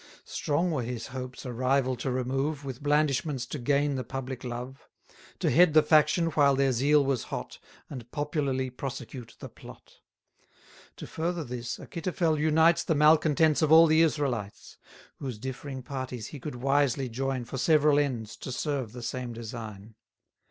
Strong were his hopes a rival to remove, With blandishments to gain the public love: To head the faction while their zeal was hot, And popularly prosecute the Plot. 490 To further this, Achitophel unites The malcontents of all the Israelites: Whose differing parties he could wisely join, For several ends to serve the same design.